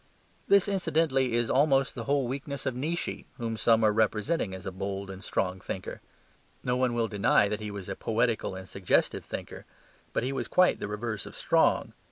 This, incidentally, is almost the whole weakness of Nietzsche, whom some are representing as a bold and strong thinker. No one will deny that he was a poetical and suggestive thinker; but he was quite the reverse of strong.